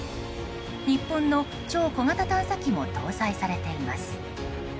日本の超小型探査機も搭載されています。